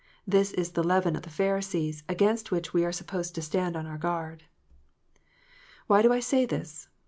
This is the leaven of the Pharisees, against which we are to stand upon our guard. Why do I say this